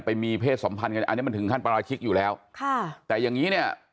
ไปมีเพศสัมพันธ์กันอันนี้มันถึงขั้นปราชิกอยู่แล้วค่ะแต่อย่างงี้เนี่ย